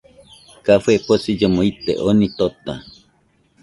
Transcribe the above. Café posillomo ite , oni tota